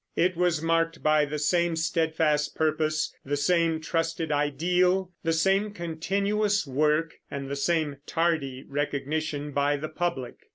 It was marked by the same steadfast purpose, the same trusted ideal, the same continuous work, and the same tardy recognition by the public.